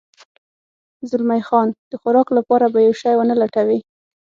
زلمی خان د خوراک لپاره به یو شی و نه لټوې؟